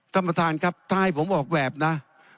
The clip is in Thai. ท่านประธานครับถ้าให้ผมออกแบบนะ